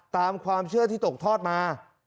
ตามความเชื่อที่ตกทอดมา